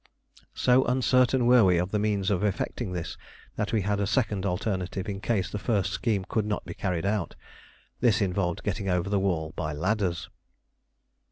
So uncertain were we of the means of effecting this that we had a second alternative in case the first scheme could not be carried out. This involved getting over the wall by ladders.